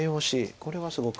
これはすごく。